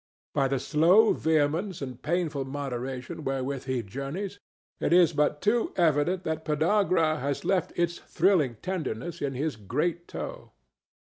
By the slow vehemence and painful moderation wherewith he journeys, it is but too evident that Podagra has left its thrilling tenderness in his great toe.